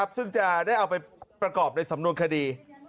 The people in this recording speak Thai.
ซึ่งจะได้เอาไปประกอบในสำนวนคดี